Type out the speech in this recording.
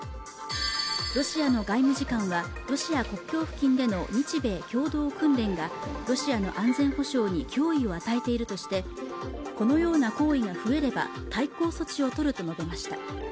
ロシアの外務次官はロシア国境付近での日米共同訓練がロシアの安全保障に脅威を与えているとしてこのような行為が増えれば対抗措置をとると述べました